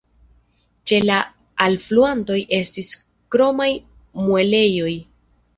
Ĉe la alfluantoj estis kromaj muelejoj.